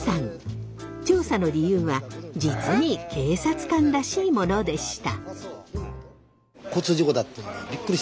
調査の理由は実に警察官らしいものでした。